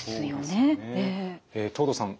藤堂さん